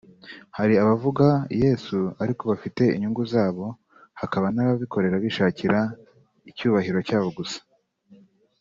Hari abavuga Yesu ariko bafite inyungu zabo hakaba n’ababikora bishakira icyubahiro cyabo gusa